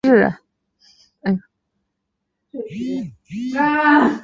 乔治亚语在动词单复数和名词单复数间有些区别。